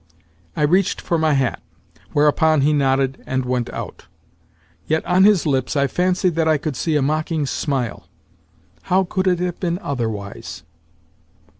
I reached for my hat; whereupon he nodded, and went out. Yet on his lips I fancied that I could see a mocking smile. How could it have been otherwise?